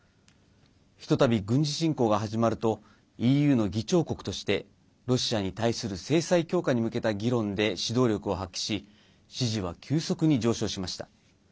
ひとたび軍事侵攻が始まるとＥＵの議長国としてロシアに対する制裁強化に向けた議論で指導力を発揮し支持は急速に上昇しました。